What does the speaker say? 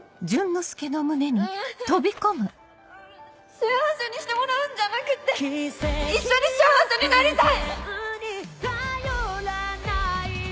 幸せにしてもらうんじゃなくって一緒に幸せになりたい！